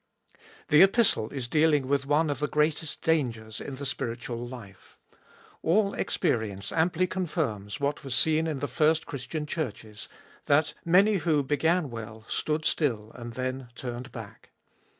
THE Epistle is dealing with one of the greatest dangers in the spiritual life. All experience amply confirms what was seen in the first Christian churches, that many who began well stood still and then turned back.